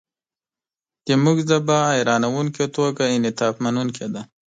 زموږ ژبه حیرانوونکې توګه انعطافمنونکې ده.